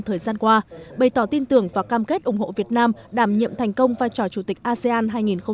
thời gian qua bày tỏ tin tưởng và cam kết ủng hộ việt nam đảm nhiệm thành công vai trò chủ tịch asean hai nghìn hai mươi